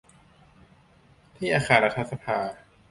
ที่อาคารรัฐสภา